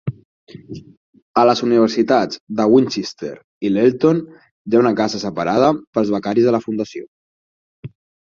A les universitats de Winchester i l'Eton, hi ha una casa separada per als becaris de la fundació.